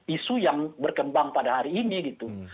isu yang berkembang pada hari ini gitu